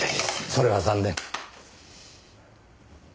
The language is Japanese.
それは残念。